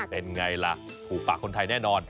เป็นไงล่ะถูกปากคนไทยแน่นอน